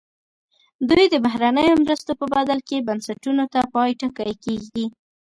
دوی د بهرنیو مرستو په بدل کې بنسټونو ته پای ټکی کېږدي.